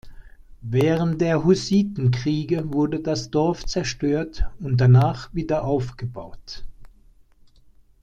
Während der Hussitenkriege wurde das Dorf zerstört und danach wieder aufgebaut.